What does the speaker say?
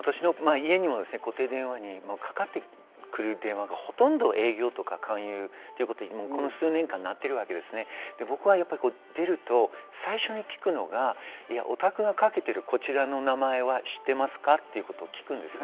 私の家にも固定電話にかかってくる電話がほとんど営業とか勧誘っていうことで、僕はやっぱり出ると、最初に聞くのが、おたくがかけている、こちらの名前は知っていますか？ということを聞きます。